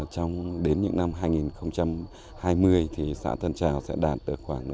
trong những năm hai nghìn hai mươi xã thân trào sẽ đạt được khoảng